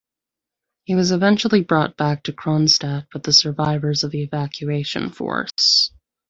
He was eventually brought back to Kronstadt with the survivors of the evacuation force.